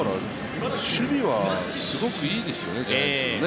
守備はすごくいいですよね、ジャイアンツはね。